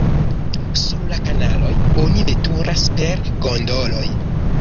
Sur la kanaloj oni veturas per gondoloj.